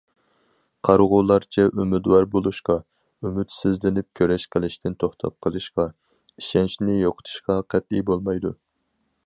قارىغۇلارچە ئۈمىدۋار بولۇشقا، ئۈمىدسىزلىنىپ كۈرەش قىلىشتىن توختاپ قېلىشقا، ئىشەنچنى يوقىتىشقا قەتئىي بولمايدۇ.